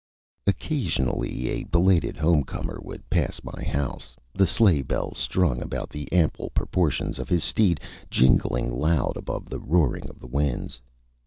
Occasionally a belated home comer would pass my house, the sleigh bells strung about the ample proportions of his steed jingling loud above the roaring of the winds.